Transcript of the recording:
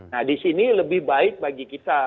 nah di sini lebih baik bagi kita